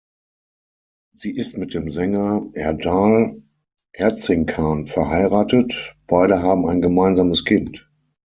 Sie ist mit dem Sänger Erdal Erzincan verheiratet, beide haben ein gemeinsames Kind.